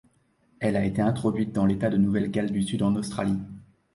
Elle a été introduite dans l’État de Nouvelle-Galles du Sud en Australie.